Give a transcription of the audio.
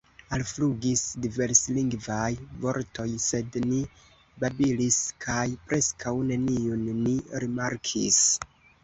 Alflugis diverslingvaj vortoj, sed ni babilis kaj preskaŭ neniun ni rimarkis.